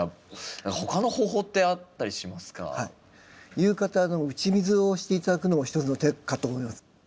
夕方打ち水をして頂くのも一つの手かと思います。